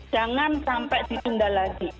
jangan sampai ditunda lagi